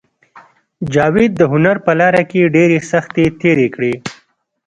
جاوید د هنر په لاره کې ډېرې سختۍ تېرې کړې